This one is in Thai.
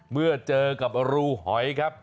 เมื่อเจอกับรูหอยครับ